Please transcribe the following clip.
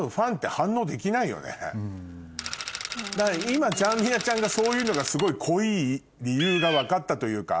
今ちゃんみなちゃんがそういうのがすごい濃い理由が分かったというか。